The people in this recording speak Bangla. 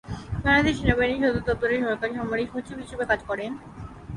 বাংলাদেশ সেনাবাহিনীর সদর দপ্তরে সহকারী সামরিক সচিব হিসেবে কাজ করেন।